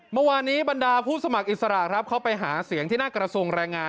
เมื่อวานนี้บรรดาผู้สมัครอิสระครับเขาไปหาเสียงที่หน้ากระทรวงแรงงาน